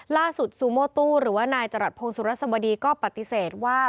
ซูโมตู้หรือว่านายจรัสพงศุรสบดีก็ปฏิเสธว่า